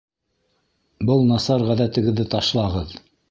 Был насар ғәҙәтегеҙҙе ташлағыҙ.